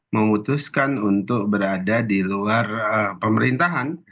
memutuskan untuk berada di luar pemerintahan